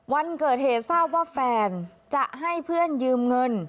วันเกิดเหตุทราบว่าแฟนจะให้เพื่อนยืมเงิน